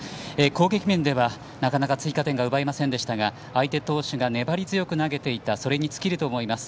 攻撃面ではなかなか追加点が奪えませんでしたが相手投手が粘り強く投げていたそれに尽きると思います。